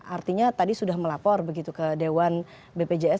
artinya tadi sudah melapor begitu ke dewan bpjs